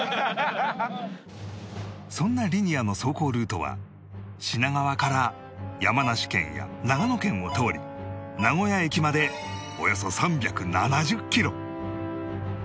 そんなリニアの走行ルートは品川から山梨県や長野県を通り名古屋駅までおよそ３７０キロ